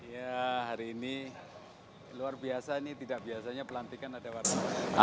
ya hari ini luar biasa ini tidak biasanya pelantikan ada warga